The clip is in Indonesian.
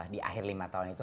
di akhir lima tahun itu